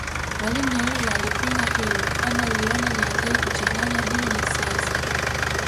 Mwalimu Nyerere alipinga hilo kwani aliona ni hatari kuchanganya dini na siasa